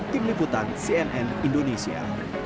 tim liputan cnn indonesia